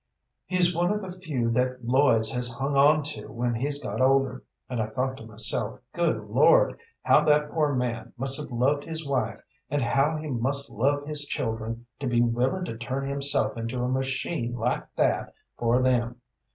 He's one of the few that Lloyd's has hung on to when he's got older, and I thought to myself, good Lord, how that poor man must have loved his wife, and how he must love his children, to be willin' to turn himself into a machine like that for them.